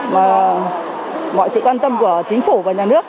mà mọi sự quan tâm của chính phủ và nhà nước